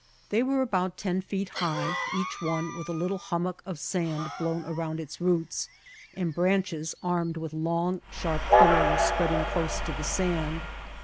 They were about ten feet high, each one with a little hummock of sand blown around its roots, and branches armed with long sharp thorns spreading close to the sand.